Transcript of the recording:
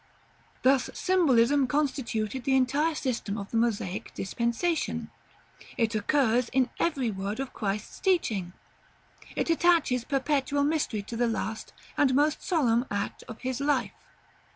Thus symbolism constituted the entire system of the Mosaic dispensation: it occurs in every word of Christ's teaching; it attaches perpetual mystery to the last and most solemn act of His life.